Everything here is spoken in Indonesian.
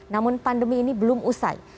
namun pandemi ini belum usai